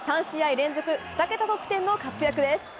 ３試合連続２桁得点の活躍です。